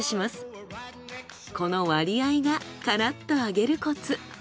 この割合がカラッと揚げるコツ。